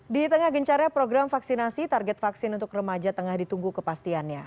di tengah gencarnya program vaksinasi target vaksin untuk remaja tengah ditunggu kepastiannya